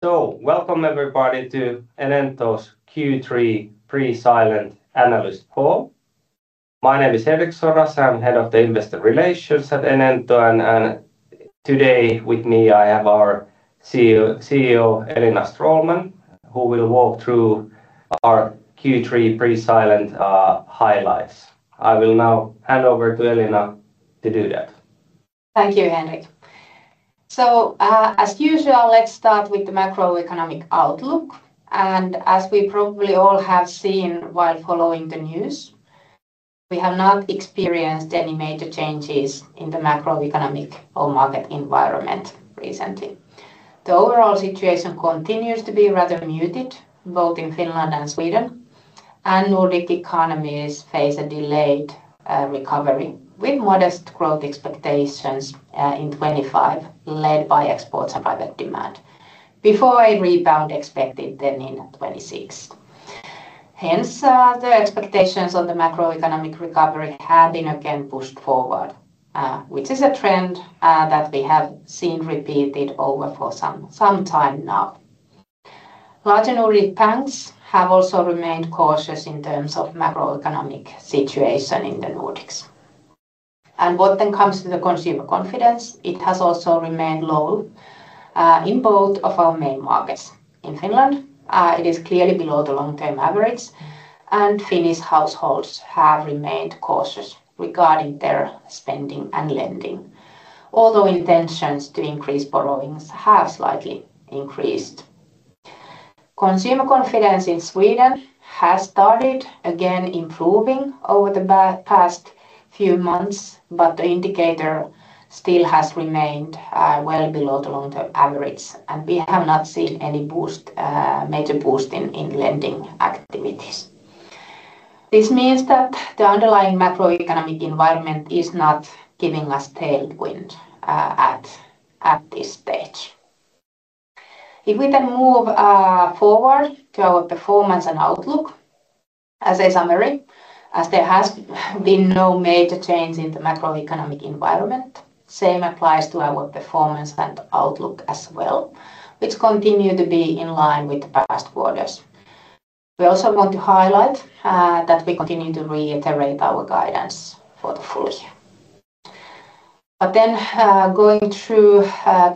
Welcome, everybody, to Enento Group's Q3 Pre-Silent Analyst call. My name is Henrik Soras. I'm Head of Investor Relations at Enento Group. Today, with me, I have our CEO, Elina Stråhlman, who will walk through our Q3 pre-silent highlights. I will now hand over to Elina to do that. Thank you, Henrik. As usual, let's start with the macroeconomic outlook. As we probably all have seen while following the news, we have not experienced any major changes in the macroeconomic or market environment recently. The overall situation continues to be rather muted both in Finland and Sweden. Nordic economies face a delayed recovery with modest growth expectations in 2025, led by exports and by that demand, before a rebound expected in 2026. Hence, the expectations of the macroeconomic recovery have been again pushed forward, which is a trend that we have seen repeated for some time now. Large and ordinary banks have also remained cautious in terms of the macroeconomic situation in the Nordics. When it comes to consumer confidence, it has also remained low in both of our main markets. In Finland, it is clearly below the long-term average. Finnish households have remained cautious regarding their spending and lending, although intentions to increase borrowings have slightly increased. Consumer confidence in Sweden has started again improving over the past few months, but the indicator still has remained well below the long-term average. We have not seen any major boost in lending activities. This means that the underlying macroeconomic environment is not giving us tailwind at this stage. If we can move forward to our performance and outlook as a summary, as there has been no major change in the macroeconomic environment, the same applies to our performance and outlook as well, which continue to be in line with the past quarters. We also want to highlight that we continue to reiterate our guidance for the full year. Going through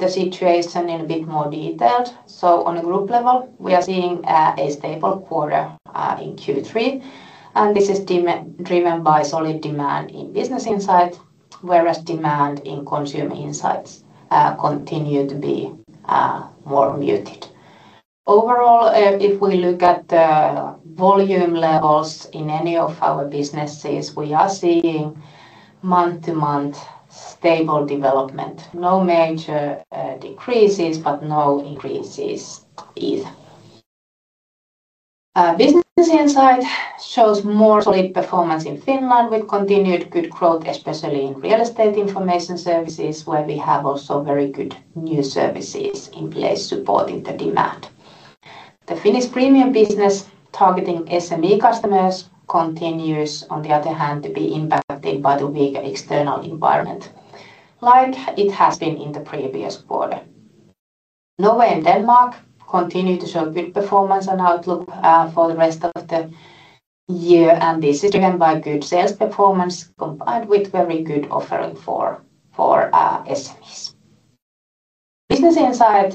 the situation in a bit more detail, on a group level, we are seeing a stable quarter in Q3. This is driven by solid demand in business insights, whereas demand in consumer insights continues to be more muted. Overall, if we look at the volume levels in any of our businesses, we are seeing month-to-month stable development. No major decreases, but no increases either. Business insight shows more solid performance in Finland with continued good growth, especially in real estate information services, where we have also very good new services in place supporting the demand. The Finnish premium business targeting SME customers continues, on the other hand, to be impacted by the weaker external environment like it has been in the previous quarter. Norway and Denmark continue to show good performance and outlook for the rest of the year. This is driven by good sales performance combined with very good offering for SMEs. Business insight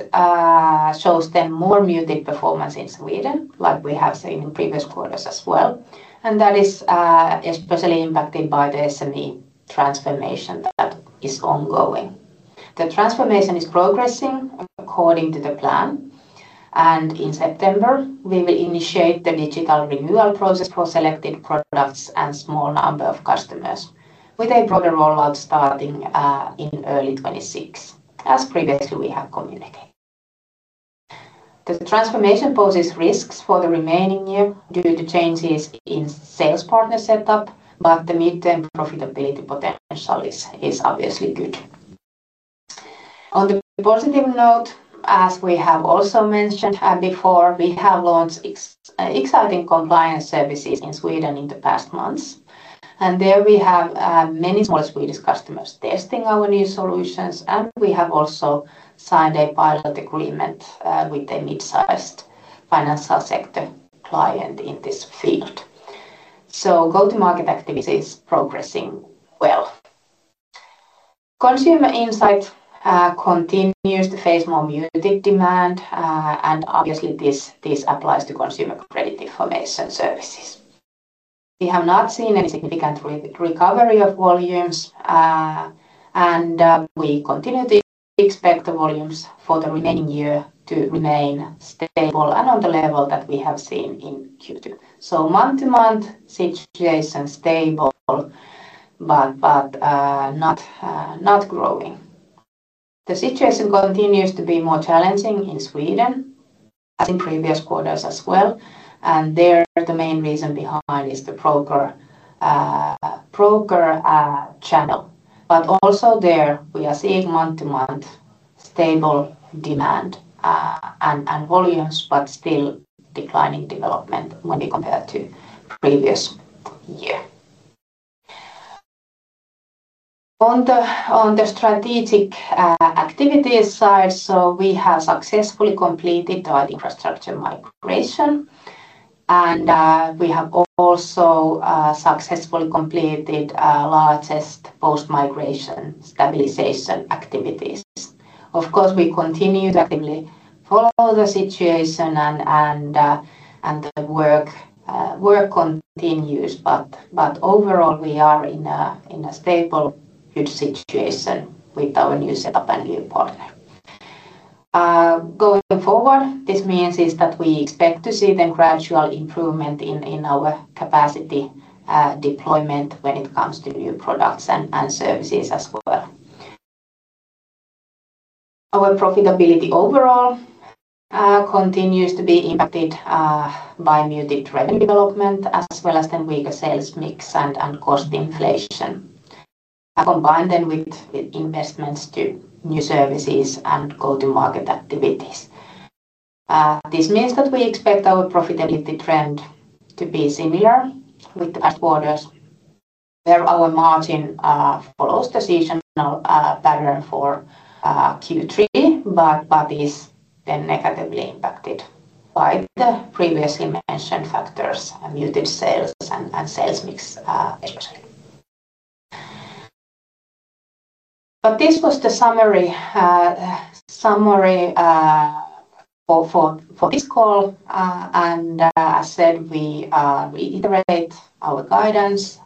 shows then more muted performance in Sweden, like we have seen in previous quarters as well. That is especially impacted by the SME transformation that is ongoing. The transformation is progressing according to the plan. In September, we will initiate the digital renewal process for selected products and a small number of customers, with a broader rollout starting in early 2026, as previously we have communicated. The transformation poses risks for the remaining year due to changes in sales partner setup, but the mid-term profitability potential is obviously good. On a positive note, as we have also mentioned before, we have launched exciting compliance services in Sweden in the past months. There, we have many small Swedish customers testing our new solutions. We have also signed a pilot agreement with a mid-sized financial sector client in this field. Go-to-market activity is progressing well. Consumer insights continue to face more muted demand. Obviously, this applies to consumer credit information services. We have not seen any significant recovery of volumes. We continue to expect the volumes for the remaining year to remain stable and on the level that we have seen in Q2. Month-to-month situation is stable, but not growing. The situation continues to be more challenging in Sweden as in previous quarters as well. There, the main reason behind is the broker channel. Also there, we are seeing month-to-month stable demand and volumes, but still declining development when you compare to the previous year. On the strategic activities side, we have successfully completed the wide infrastructure migration. We have also successfully completed the largest post-migration stabilization activities. Of course, we continue to follow the situation. The work continues. Overall, we are in a stable, good situation with our new setup and new partner. Going forward, this means that we expect to see the gradual improvement in our capacity deployment when it comes to new products and services as well. Our profitability overall continues to be impacted by muted revenue development as well as the weaker sales mix and cost inflation, combined then with investments to new services and go-to-market activities. This means that we expect our profitability trend to be similar with the past quarters, where our margin follows the seasonal pattern for Q3, but is then negatively impacted by the previously mentioned factors, muted sales and sales mix fusion. This was the summary for this call. As I said, we reiterated our guidance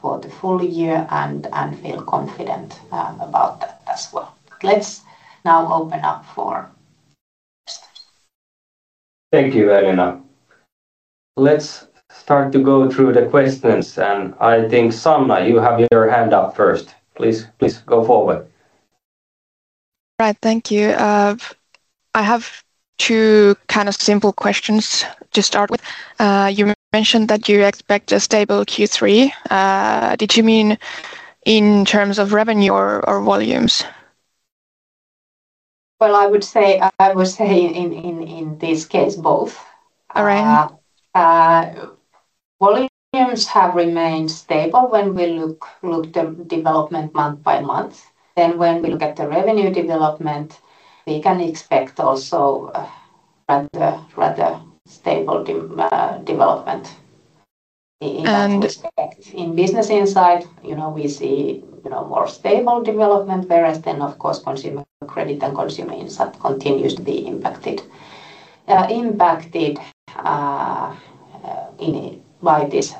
for the full year and feel confident about that as well. Let's now open up for. Thank you, Elina. Let's start to go through the questions. I think Sanna, you have your hand up first. Please, please go forward. Right. Thank you. I have two kind of simple questions to start with. You mentioned that you expect a stable Q3. Did you mean in terms of revenue or volumes? I would say in this case, both. All right. Volumes have remained stable when we look at the development month by month. When we look at the revenue development, we can expect also rather stable development. And. In business insight, we see more stable development, whereas, of course, consumer credit and consumer insight continue to be impacted by this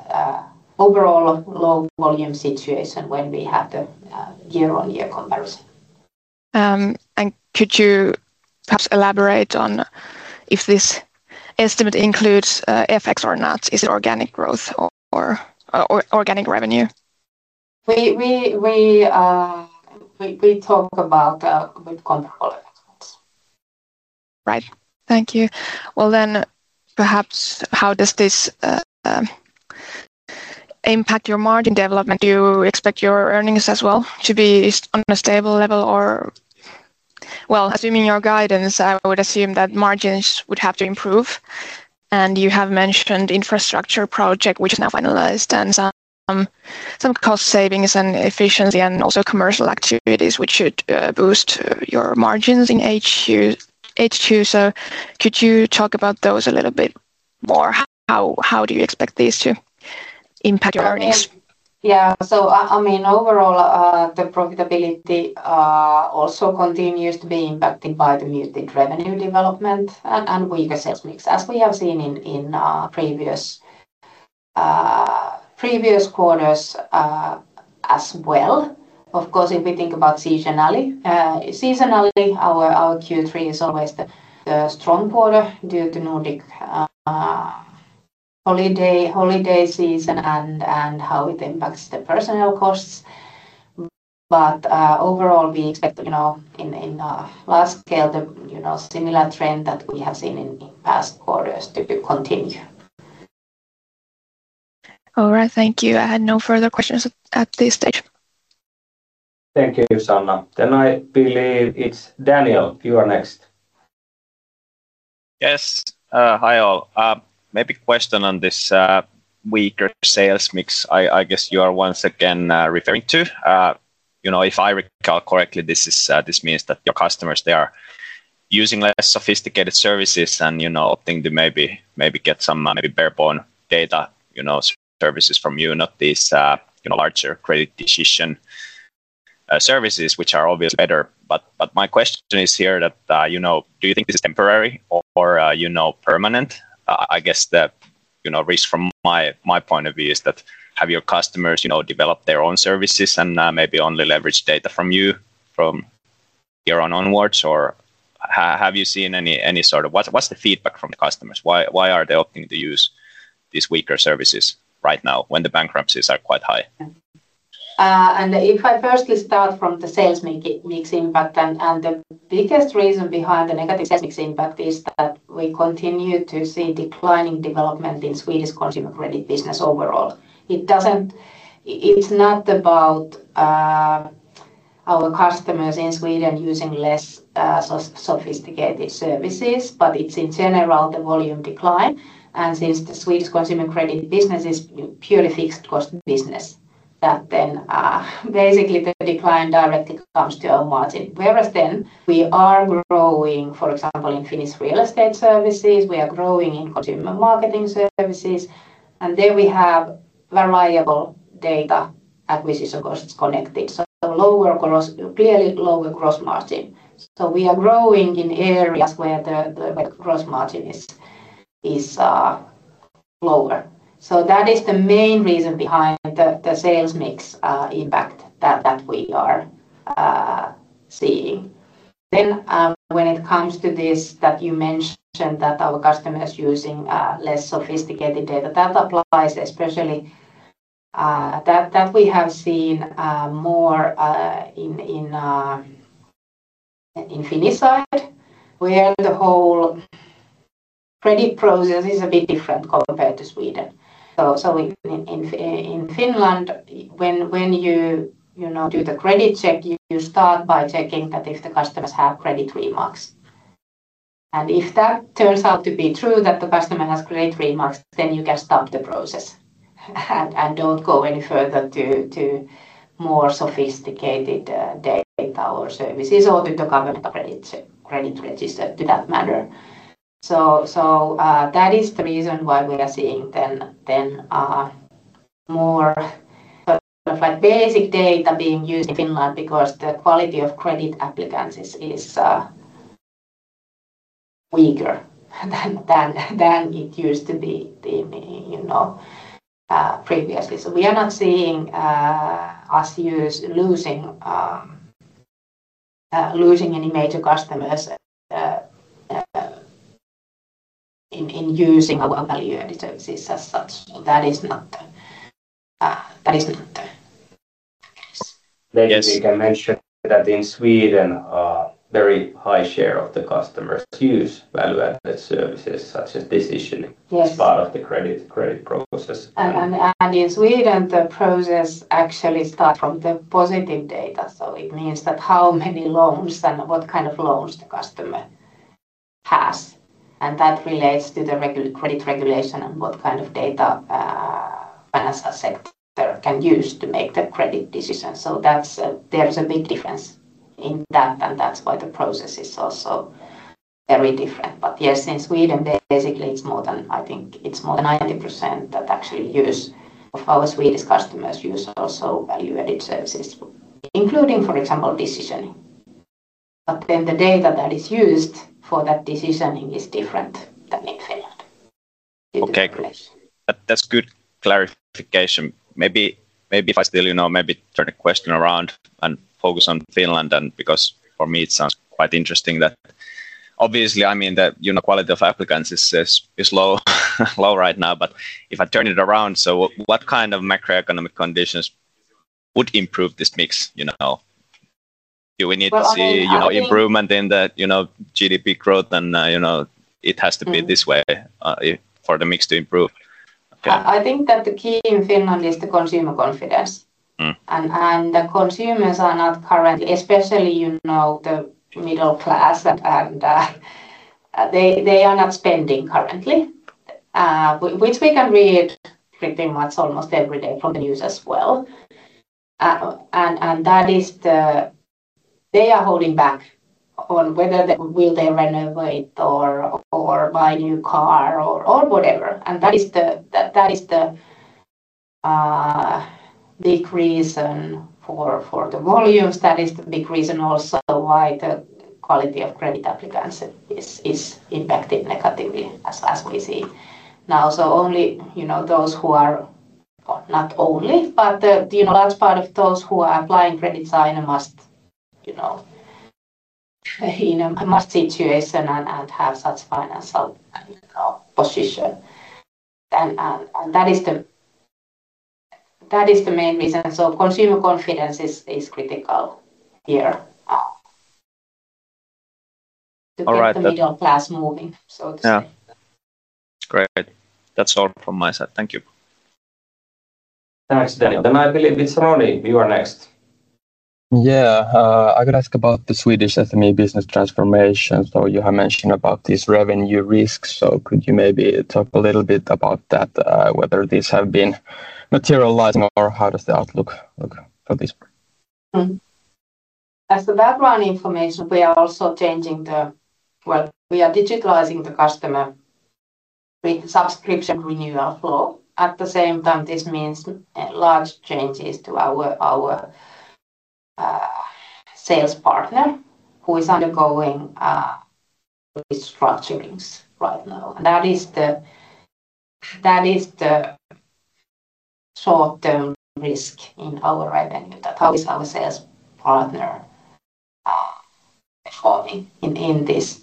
overall low volume situation when we have the year-on-year comparison. Could you perhaps elaborate on if this estimate includes FX or not? Is it organic growth or organic revenue? We talk about good control at the moment. Thank you. Perhaps how does this impact your margin development? Do you expect your earnings as well to be on a stable level? Assuming your guidance, I would assume that margins would have to improve. You have mentioned the infrastructure project, which is now finalized, and some cost savings and efficiency and also commercial activities, which should boost your margins in HQ. Could you talk about those a little bit more? How do you expect these to impact your earnings? Yeah. I mean, overall, the profitability also continues to be impacted by the muted revenue development and weaker sales mix, as we have seen in previous quarters as well. Of course, if we think about seasonality, our Q3 is always the strong quarter due to Nordic holiday season and how it impacts the personnel costs. Overall, we expect in a large scale the similar trend that we have seen in the past quarters to continue. All right. Thank you. I had no further questions at this stage. Thank you, Sanna. I believe it's Daniel, you are next. Yes. Hi, all. Maybe a question on this weaker sales mix I guess you are once again referring to. If I recall correctly, this means that your customers, they are using less sophisticated services and opting to maybe get some maybe bare-bone data services from you, not these larger credit decision services, which are obviously better. My question is here that, do you think this is temporary or permanent? I guess the risk from my point of view is that have your customers developed their own services and maybe only leveraged data from you from year on onwards or have you seen any sort of what's the feedback from the customers? Why are they opting to use these weaker services right now when the bankruptcies are quite high? If I firstly start from the sales mix impact, the biggest reason behind the negative sales mix impact is that we continue to see declining development in the Swedish consumer credit business overall. It's not about our customers in Sweden using less sophisticated services, but it's in general the volume decline. Since the Swedish consumer credit business is purely fixed cost business, the decline directly comes to our margin. We are growing, for example, in Finnish real estate information services. We are growing in consumer marketing services, and there we have variable data acquisition costs connected, so clearly lower gross margin. We are growing in areas where the gross margin is lower. That is the main reason behind the sales mix impact that we are seeing. When it comes to this that you mentioned, that our customers are using less sophisticated data, that applies especially to what we have seen more on the Finnish side, where the whole credit process is a bit different compared to Sweden. In Finland, when you do the credit check, you start by checking if the customers have credit remarks. If that turns out to be true, that the customer has credit remarks, then you can stop the process and don't go any further to more sophisticated data or services or to cover the credit register to that matter. That is the reason why we are seeing more basic data being used in Finland, because the quality of credit applicants is weaker than it used to be previously. We are not seeing us losing any major customers in using our value-added services as such. That is not the case. Megan, you can mention that in Sweden, a very high share of the customers use value-added services such as decision as part of the credit process. In Sweden, the process actually starts from the positive data. It means how many loans and what kind of loans the customer has. That relates to the credit regulation and what kind of data the finance asset can use to make the credit decision. There is a big difference in that, which is why the process is also very different. Yes, in Sweden, basically, it's more than, I think, it's more than 90% of our Swedish customers who also use value-added services, including, for example, decisioning. The data that is used for that decisioning is different than in Finland. That's good clarification. Maybe if I turn the question around and focus on Finland, because for me, it's quite interesting that obviously, I mean, the quality of applicants is low right now. If I turn it around, what kind of macroeconomic conditions would improve this mix? Do we need to see improvement in the GDP growth? It has to be this way for the mix to improve. I think that the key in Finland is the consumer confidence. The consumers are not currently, especially you know the middle class, they are not spending currently, which we can read pretty much almost every day from the news as well. They are holding back on whether they will renovate or buy a new car or whatever. That is the decrease for the volumes. That is the decrease and also why the quality of credit applicants is impacted negatively as we see now. Only, you know, those who are not only, but the large part of those who are applying for a design must be in a must situation and have such financial position. That is the main reason. Consumer confidence is critical here to keep the middle class moving, so to speak. Great. That's all from my side. Thank you. Thanks, Daniel. I believe it's Ronnie. You are next. Yeah, I could ask about the Swedish SME business transformation. You have mentioned about these revenue risks. Could you maybe talk a little bit about that, whether these have been materialized or how does the outlook look at this? As background information, we are also digitalizing the customer subscription renewal flow. At the same time, this means large changes to our sales partner, who is undergoing partner restructuring right now. That is the short-term risk in our revenue, that our sales partner is falling in this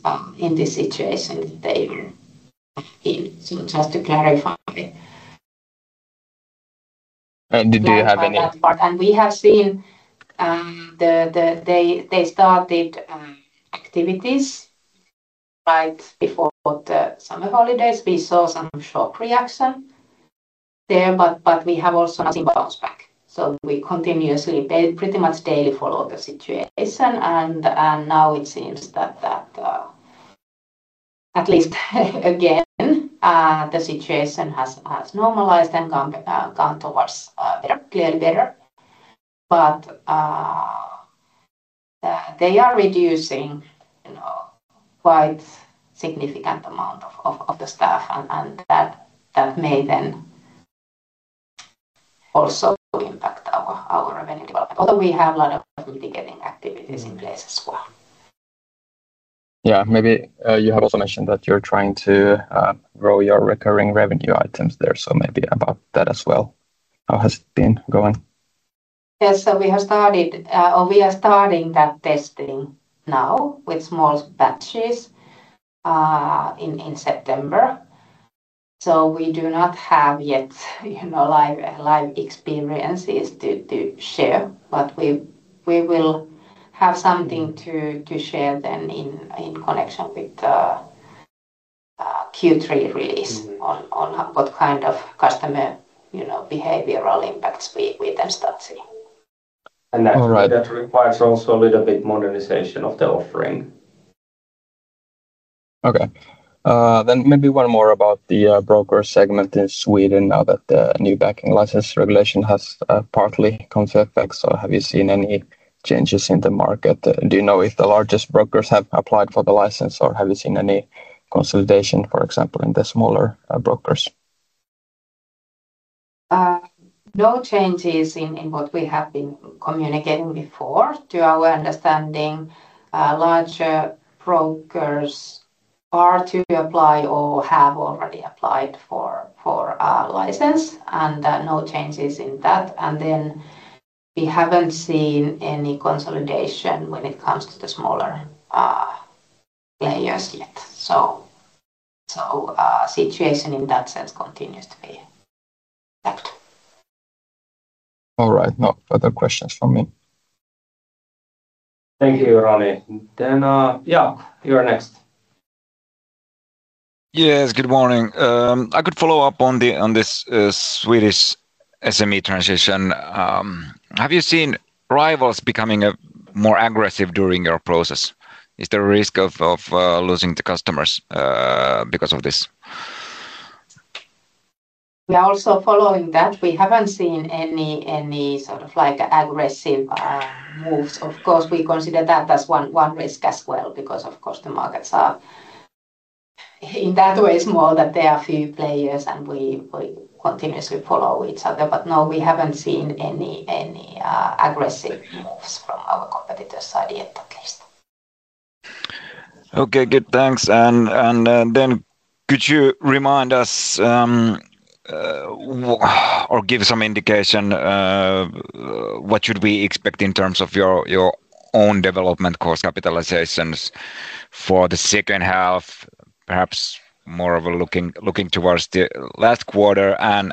situation that they were in. Just to clarify. Did they have any? We have seen they started activities right before the summer holidays. We saw some shock reaction there. We have also seen fast back. We continuously pretty much daily follow the situation. Now it seems that at least again, the situation has normalized and gone towards clearly better. They are reducing quite a significant amount of the staff. That may then also impact our revenue development. Although we have learned from the beginning of this place as well. Maybe you have also mentioned that you're trying to grow your recurring revenue items there. Maybe about that as well. How has it been going? Yes, we have started or we are starting that testing now with small batches in September. We do not have yet live experiences to share, but we will have something to share in connection with the Q3 release on what kind of customer behavioral impacts we then start seeing. That requires also a little bit of modernization of the offering. Maybe one more about the broker channel in Sweden now that the new banking license regulation has partly come into effect. Have you seen any changes in the market? Do you know if the largest brokers have applied for the license, or have you seen any consolidation, for example, in the smaller brokers? No changes in what we have been communicating before. To our understanding, larger brokers are to apply or have already applied for a license. No changes in that. We haven't seen any consolidation when it comes to the smaller players yet, so the situation in that sense continues to be. All right. No other questions from me. Thank you, Ronnie. You are next. Yes. Good morning. I could follow up on this Swedish SME transformation. Have you seen rivals becoming more aggressive during your process? Is there a risk of losing the customers because of this? We are also following that. We haven't seen any sort of aggressive moves. Of course, we consider that that's one risk as well because, of course, the markets are in that way small that there are a few players. We continuously follow each other. No, we haven't seen any aggressive moves from our competitors' side yet, at least. Okay. Good. Thanks. Could you remind us or give some indication what should we expect in terms of your own development cost capitalizations for the second half, perhaps more of a looking towards the last quarter and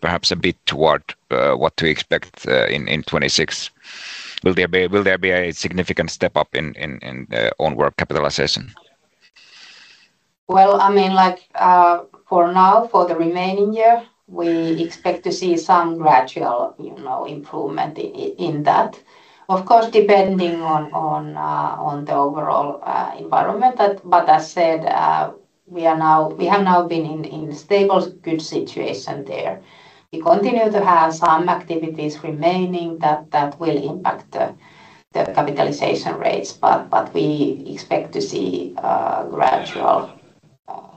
perhaps a bit toward what to expect in 2026? Will there be a significant step up in the own work capitalization? For now, for the remaining year, we expect to see some gradual improvement in that, of course depending on the overall environment. As I said, we have now been in a stable, good situation there. We continue to have some activities remaining that will impact the capitalization rates. We expect to see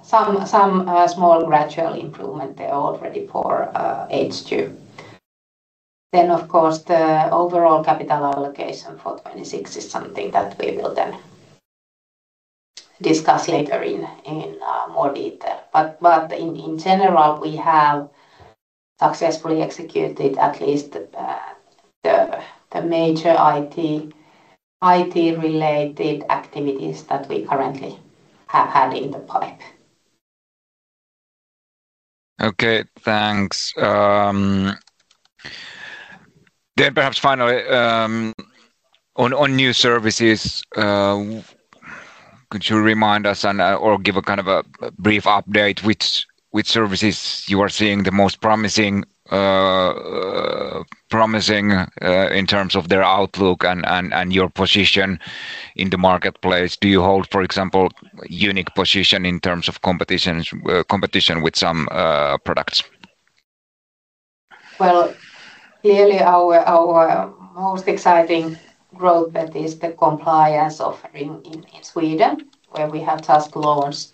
some small gradual improvement there already for HQ. The overall capital allocation for 2026 is something that we will discuss later in more detail. In general, we have successfully executed at least the major IT-related activities that we currently have had in the pipe. Okay. Thanks. Perhaps finally, on new services, could you remind us or give a kind of a brief update which services you are seeing the most promising in terms of their outlook and your position in the marketplace? Do you hold, for example, a unique position in terms of competition with some products? Clearly, our most exciting growth is the compliance offering in Sweden, where we have just launched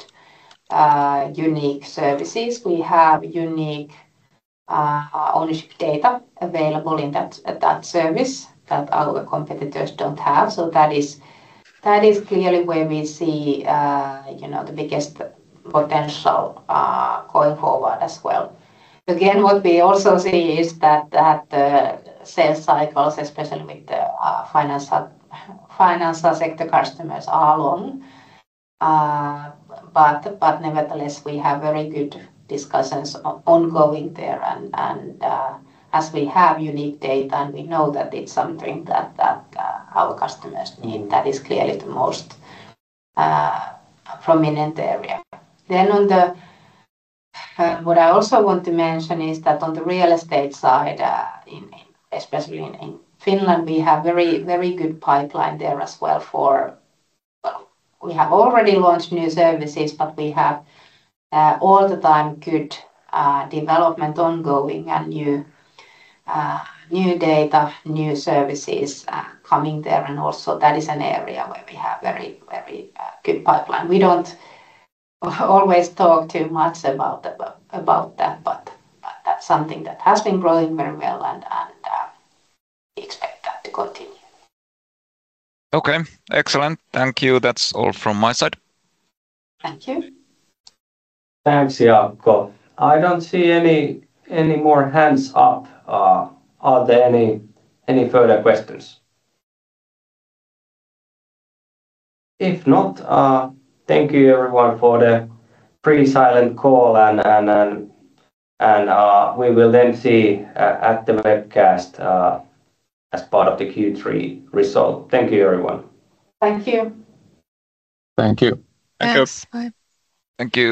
unique services. We have unique ownership data available in that service that our competitors don't have. That is clearly where we see the biggest potential going forward as well. Again, what we also see is that the sales cycles, especially with the finance sector customers, are long. Nevertheless, we have very good discussions ongoing there. As we have unique data and we know that it's something that our customers need, that is clearly the most prominent area. What I also want to mention is that on the real estate side, especially in Finland, we have a very, very good pipeline there as well. We have already launched new services, but we have all the time good development ongoing and new data, new services coming there. That is an area where we have a very, very good pipeline. We don't always talk too much about that, but that's something that has been growing very well. We expect that to continue. Okay. Excellent. Thank you. That's all from my side. Thank you. Thanks, Jaakko. I don't see any more hands up. Are there any further questions? If not, thank you, everyone, for the pre-silent call. We will then see at the webcast as part of the Q3 result. Thank you, everyone. Thank you. Thank you. Thanks, bye. Thank you.